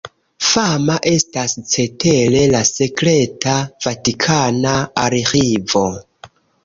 Fama estas cetere la sekreta vatikana arĥivo.